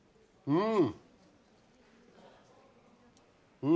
うん。